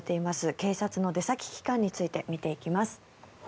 警察の出先機関について見ていきます。